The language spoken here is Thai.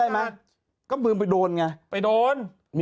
มึงไปโดน